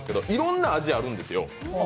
いろんな味があるんですよ。